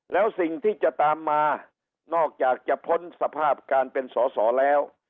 แล้วสิ่งที่จะตามมานอกจากจะพ้นสภาพการเป็นสอสอแล้ว